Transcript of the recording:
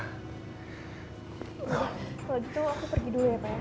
kalau gitu waktu pergi dulu ya pak ya